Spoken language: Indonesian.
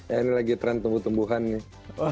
ya ini lagi tren tumbuh tumbuhan nih